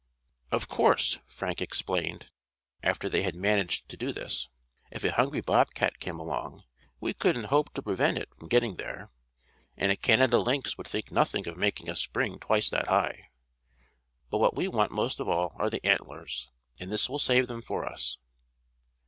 "Of course," Frank explained, after they had managed to do this, "if a hungry bobcat came along we couldn't hope to prevent it from getting there; and a Canada lynx would think nothing of making a spring twice that high. But what we want most of all are the antlers; and this will save them for us."